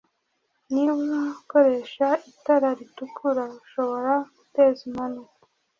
Niba ukoresha itara ritukura ushobora guteza impanuka